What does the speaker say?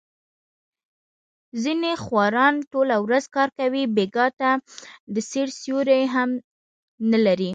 ځنې خواران ټوله ورځ کار کوي، بېګاه ته د سیر سیوری هم نه لري.